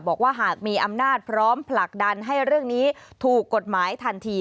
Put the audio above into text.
บอกว่าหากมีอำนาจพร้อมผลักดันให้เรื่องนี้ถูกกฎหมายทันที